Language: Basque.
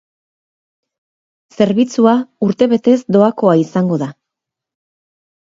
Zerbitzua urtebetez doakoa izango da.